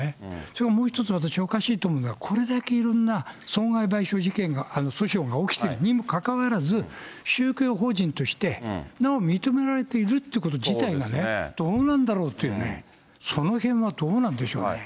それからもう一つ、私、おかしいと思うのは、これだけいろんな損害賠償事件が、訴訟が起きているにもかかわらず、宗教法人としてなお認められているということ自体がどうなんだろうというね、そのへんはどうなんでしょうね。